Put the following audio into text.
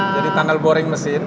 jadi tunnel boring mesin